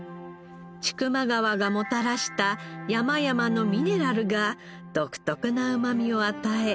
千曲川がもたらした山々のミネラルが独特なうまみを与え